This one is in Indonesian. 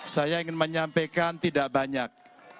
saya ingin menyampaikan tidak banyak